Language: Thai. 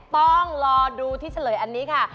ต้องรอดูที่เฉลยอันนี้ค่ะ